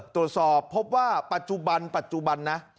ตรวจสอบพบว่าปัจจุบันนะ